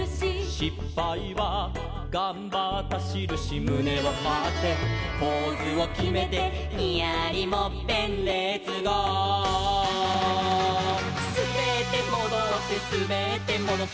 「しっぱいはがんばったしるし」「むねをはってポーズをきめて」「ニヤリもっぺんレッツゴー！」「すべってもどってすべってもどって」